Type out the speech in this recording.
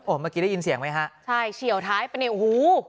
เมื่อกี้ได้ยินเสียงไหมฮะใช่เฉียวท้ายไปเนี่ยโอ้โห